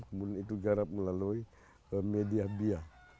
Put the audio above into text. kemudian itu garap melalui media bia